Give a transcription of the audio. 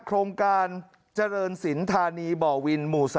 โครงการเจริญสินธานีบ่อวินหมู่๒